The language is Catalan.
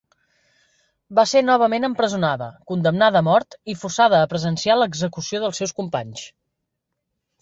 Va ser novament empresonada, condemnada a mort i forçada a presenciar l'execució dels seus companys.